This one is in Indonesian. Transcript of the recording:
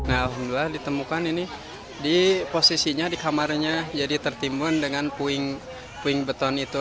ada di kamarnya gitu pasti tertimunya di situ gitu